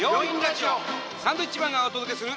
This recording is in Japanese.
サンドウィッチマンがお届けする。